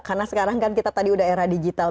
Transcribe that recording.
karena sekarang kan kita tadi udah era digital